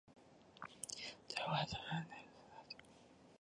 短穗天料木为大风子科天料木属下的一个种。